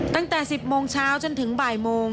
ตั้งแต่๑๐โมงเช้าจนถึงบ่ายโมง